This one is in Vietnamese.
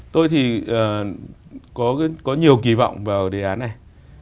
tôi thì có nhiều kỳ vọng vào đề án này